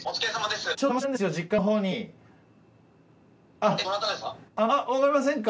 あっわかりませんか？